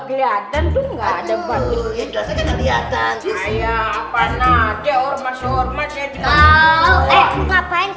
pener puis memprohasi gup ing